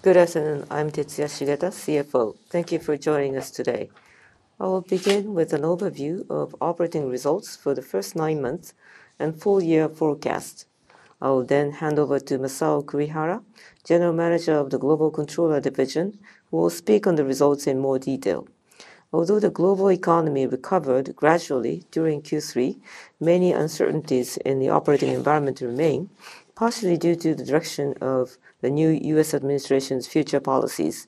Good afternoon. I'm Tetsuya Shigeta, CFO. Thank you for joining us today. I will begin with an overview of operating results for the first nine months and full-year forecast. I will then hand over to Masao Kurihara, General Manager of the Global Controller Division, who will speak on the results in more detail. Although the global economy recovered gradually during Q3, many uncertainties in the operating environment remain, partially due to the direction of the new U.S. administration's future policies.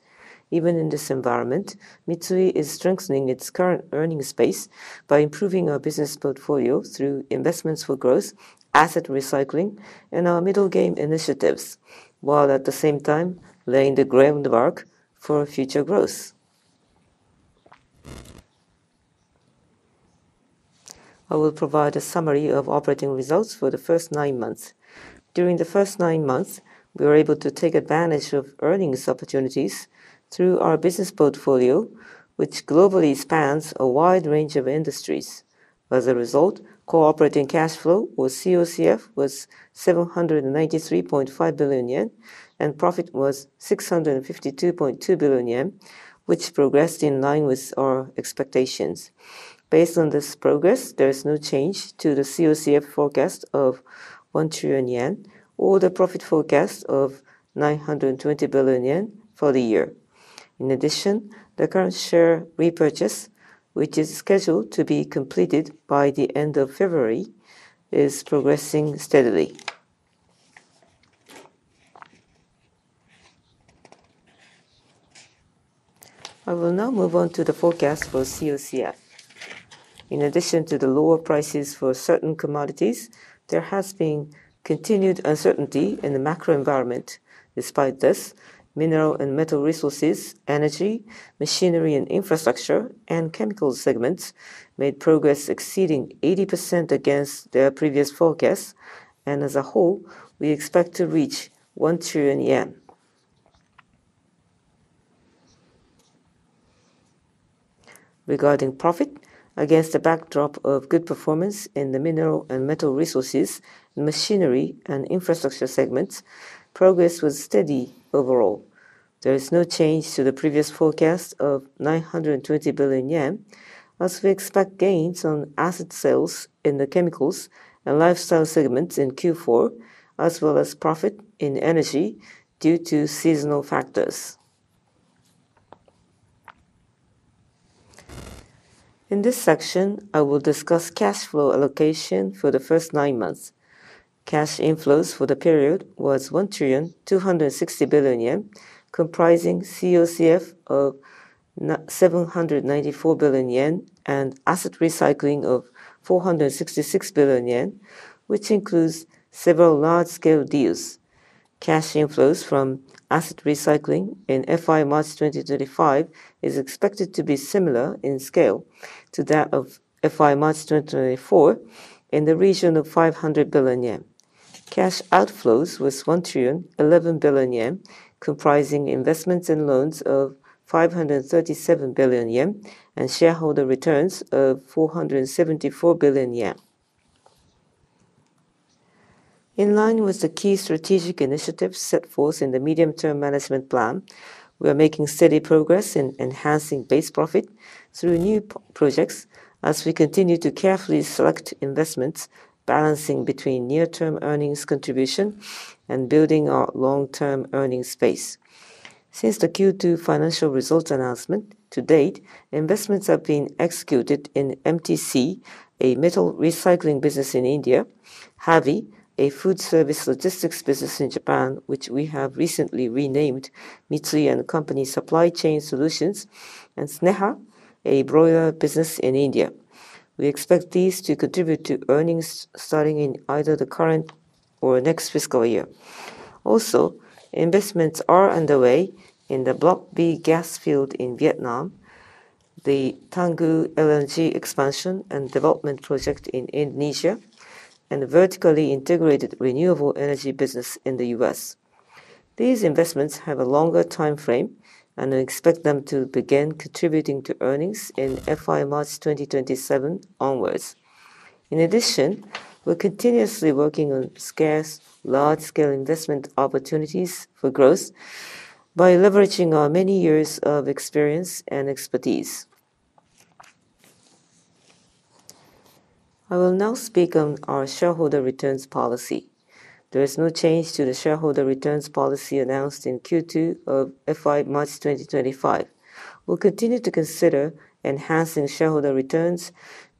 Even in this environment, Mitsui is strengthening its current earnings base by improving our business portfolio through investments for growth, asset recycling, and our middle game initiatives, while at the same time laying the groundwork for future growth. I will provide a summary of operating results for the first nine months. During the first nine months, we were able to take advantage of earnings opportunities through our business portfolio, which globally spans a wide range of industries. As a result, operating cash flow or COCF was 793.5 billion yen, and profit was 652.2 billion yen, which progressed in line with our expectations. Based on this progress, there is no change to the COCF forecast of 1 trillion yen or the profit forecast of 920 billion yen for the year. In addition, the current share repurchase, which is scheduled to be completed by the end of February, is progressing steadily. I will now move on to the forecast for COCF. In addition to the lower prices for certain commodities, there has been continued uncertainty in the macro environment. Despite this, Mineral & Metal Resources, Energy, Machinery & Infrastructure, and Chemicals segments made progress exceeding 80% against their previous forecast, and as a whole, we expect to reach 1 trillion yen. Regarding profit, against the backdrop of good performance in the Mineral & Metal Resources, Machinery & Infrastructure segments, progress was steady overall. There is no change to the previous forecast of 920 billion yen, as we expect gains on asset sales in the Chemicals and Lifestyle segments in Q4, as well as profit in Energy due to seasonal factors. In this section, I will discuss cash flow allocation for the first nine months. Cash inflows for the period were 1 trillion 260 billion, comprising COCF of 794 billion yen and asset recycling of 466 billion yen, which includes several large-scale deals. Cash inflows from asset recycling in FY March 2025 are expected to be similar in scale to that of FY March 2024 in the region of ¥ 500 billion. Cash outflows were ¥ 1 trillion 11 billion, comprising investments and loans of ¥ 537 billion and shareholder returns of ¥ 474 billion. In line with the key strategic initiatives set forth in the medium-term management plan, we are making steady progress in enhancing base profit through new projects as we continue to carefully select investments, balancing between near-term earnings contribution and building our long-term earnings base. Since the Q2 financial results announcement to date, investments have been executed in MTC, a metal recycling business in India, HAVI, a food service logistics business in Japan, which we have recently renamed Mitsui & Co. Supply Chain Solutions, and Sneha, a broiler business in India. We expect these to contribute to earnings starting in either the current or next fiscal year. Also, investments are underway in the Block B gas field in Vietnam, the Tangguh LNG expansion and development project in Indonesia, and the vertically integrated renewable energy business in the U.S. These investments have a longer time frame, and we expect them to begin contributing to earnings in FY March 2027 onwards. In addition, we're continuously working on scarce large-scale investment opportunities for growth by leveraging our many years of experience and expertise. I will now speak on our shareholder returns policy. There is no change to the shareholder returns policy announced in Q2 of FY March 2025. We'll continue to consider enhancing shareholder returns,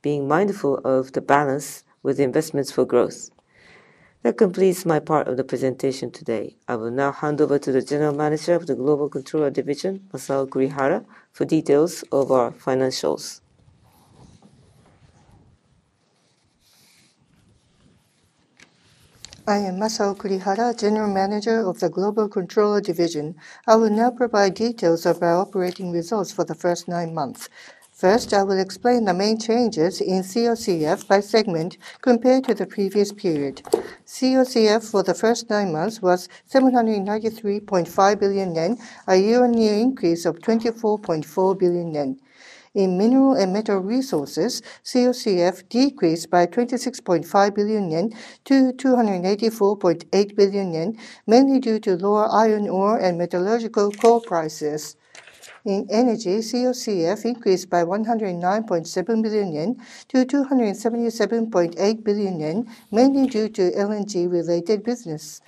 being mindful of the balance with investments for growth. That completes my part of the presentation today. I will now hand over to the General Manager of the Global Controller Division, Masao Kurihara, for details of our financials. I am Masao Kurihara, General Manager of the Global Controller Division. I will now provide details of our operating results for the first nine months. First, I will explain the main changes in COCF by segment compared to the previous period. COCF for the first nine months was 793.5 billion yen, a year-on-year increase of 24.4 billion yen. In Mineral & Metal Resources, COCF decreased by 26.5 billion-284.8 billion yen, mainly due to lower iron ore and metallurgical coal prices. In energy, COCF increased by 109.7 billion-277.8 billion yen, mainly due to LNG-related business.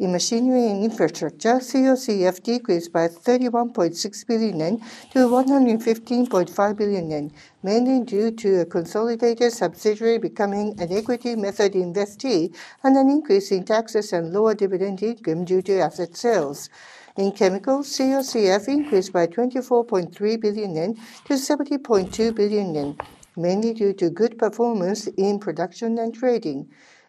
In Machinery & Infrastructure, COCF decreased by 31.6 billion-115.5 billion yen, mainly due to a consolidated subsidiary becoming an equity-method investee and an increase in taxes and lower dividend income due to asset sales. In chemicals, COCF increased by 24.3 billion-70.2 billion yen, mainly due to good performance in production and trading.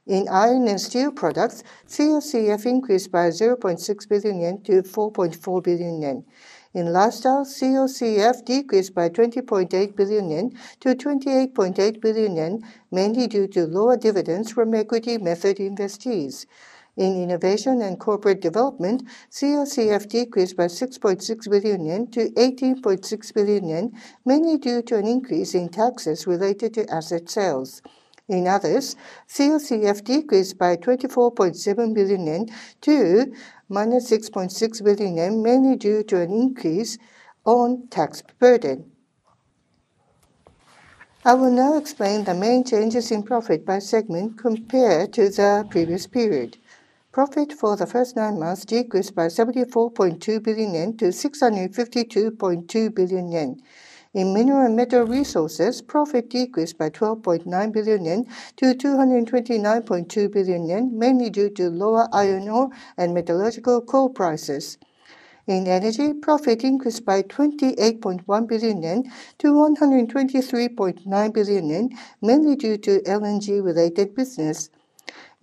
In Iron & Steel Products, COCF increased by 0.6 billion-4.4 billion yen. In Lifestyle, COCF decreased by 20.8 billion-28.8 billion yen, mainly due to lower dividends from equity-method investees. In Innovation & Corporate Development, COCF decreased by 6.6 billion-18.6 billion yen, mainly due to an increase in taxes related to asset sales. In others, COCF decreased by 24.7 billion-6.6 billion yen, mainly due to an increase in tax burden. I will now explain the main changes in profit by segment compared to the previous period. Profit for the first nine months decreased by 74.2 billion-652.2 billion yen. In mineral and metal resources, profit decreased by 12.9 billion-229.2 billion yen, mainly due to lower iron ore and metallurgical coal prices. In energy, profit increased by 28.1 billion-123.9 billion yen, mainly due to LNG-related business.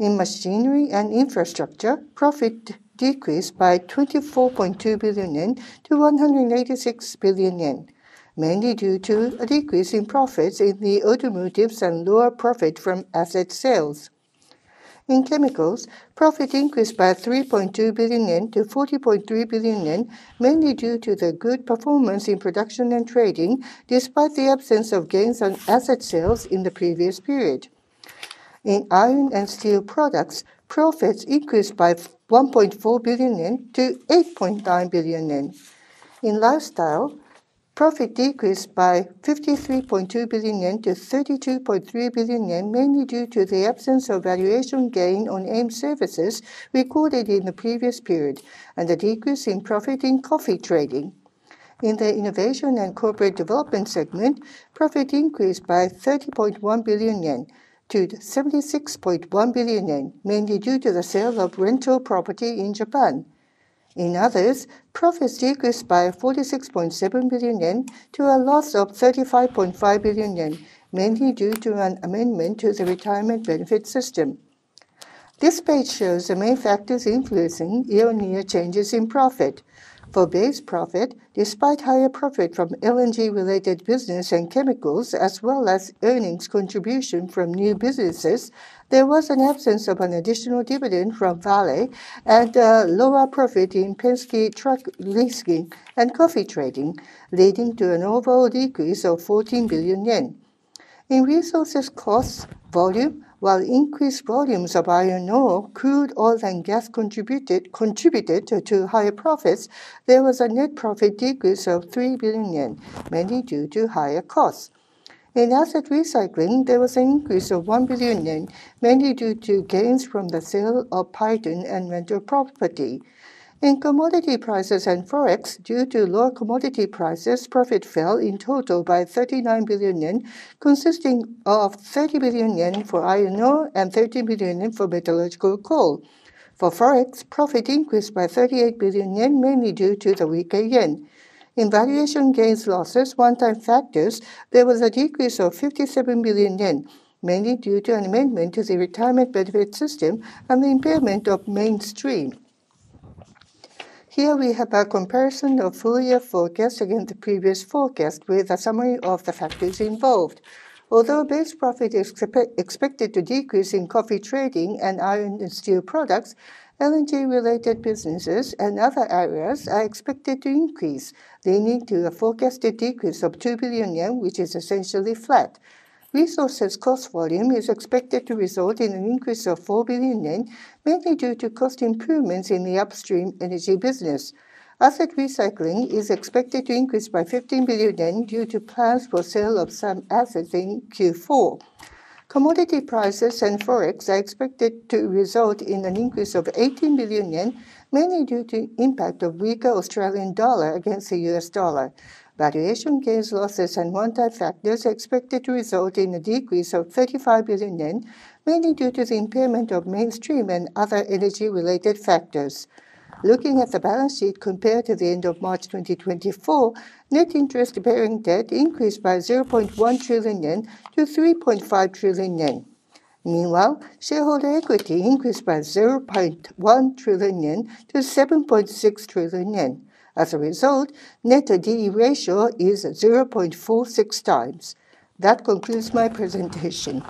In machinery and infrastructure, profit decreased by 24.2 billion-186 billion yen, mainly due to a decrease in profits in the automotives and lower profit from asset sales. In chemicals, profit increased by 3.2 billion-40.3 billion yen, mainly due to the good performance in production and trading, despite the absence of gains on asset sales in the previous period. In Iron & Steel Products, profits increased by 1.4 billion-8.9 billion yen. In Lifestyle, profit decreased by 53.2 billion-32.3 billion yen, mainly due to the absence of valuation gain on AIM Services recorded in the previous period and the decrease in profit in coffee trading. In the Innovation & Corporate Development segment, profit increased by 30.1 billion-76.1 billion yen, mainly due to the sale of rental property in Japan. In others, profits decreased by 46.7 billion yen to a loss of 35.5 billion yen, mainly due to an amendment to the retirement benefit system. This page shows the main factors influencing year-on-year changes in profit. For base profit, despite higher profit from LNG-related business and chemicals, as well as earnings contribution from new businesses, there was an absence of an additional dividend from Vale and a lower profit in Penske Truck Leasing and coffee trading, leading to an overall decrease of 14 billion yen. In resources cost volume, while increased volumes of iron ore, crude oil and gas contributed to higher profits, there was a net profit decrease of 3 billion yen, mainly due to higher costs. In asset recycling, there was an increase of 1 billion yen, mainly due to gains from the sale of Paiton and rental property. In commodity prices and Forex, due to lower commodity prices, profit fell in total by 39 billion yen, consisting of 30 billion yen for iron ore and 30 billion yen for metallurgical coal. For Forex, profit increased by 38 billion yen, mainly due to the weaker yen. In valuation gains/losses, one-time factors, there was a decrease of 57 billion yen, mainly due to an amendment to the retirement benefit system and the impairment of Mainstream. Here we have a comparison of full-year forecasts against the previous forecast with a summary of the factors involved. Although base profit is expected to decrease in coffee trading and iron and steel products, LNG-related businesses and other areas are expected to increase, leading to a forecasted decrease of 2 billion yen, which is essentially flat. Resources cost volume is expected to result in an increase of 4 billion yen, mainly due to cost improvements in the upstream energy business. Asset recycling is expected to increase by 15 billion yen due to plans for sale of some assets in Q4. Commodity prices and Forex are expected to result in an increase of 18 billion yen, mainly due to the impact of weaker Australian dollar against the U.S. dollar. Valuation gains, losses, and one-time factors are expected to result in a decrease of 35 billion yen, mainly due to the impairment of Mainstream and other energy-related factors. Looking at the balance sheet compared to the end of March 2024, net interest-bearing debt increased by 0.1 trillion-3.5 trillion yen. Meanwhile, shareholder equity increased by 0.1 trillion-7.6 trillion yen. As a result, net D/E ratio is 0.46x. That concludes my presentation.